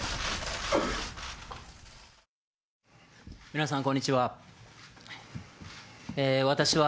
皆さん、こんにちは。